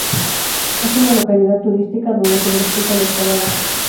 Es una localidad turística donde se practica la escalada.